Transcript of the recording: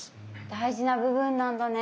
大事な部分なんだね。